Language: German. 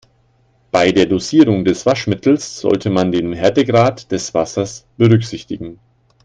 Bei der Dosierung des Waschmittels sollte man den Härtegrad des Wassers berücksichtigen.